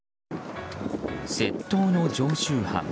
窃盗の常習犯。